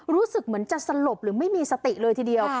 รู้สึกเหมือนจะสลบหรือไม่มีสติเลยทีเดียว